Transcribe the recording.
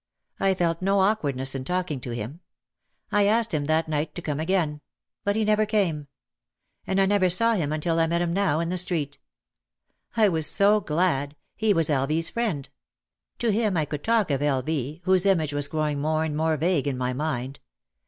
I felt no awkwardness in talking to him. I asked him that night to come again. But he never came. And I never saw him until I met him now in the street. I was so glad, he was L. V.'s friend! To him I could talk of L. V., whose image was growing more and more vague in my mind.